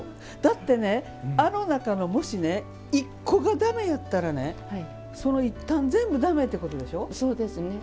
だって、あの中の１個がだめやったらその１反が全部だめでしょ。